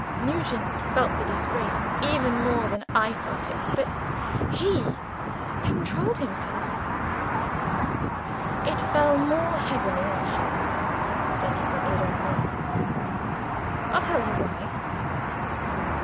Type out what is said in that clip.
Nugent felt the disgrace even more than I felt it but he could control himself. It fell more heavily on him than it did on me. I'll tell you why.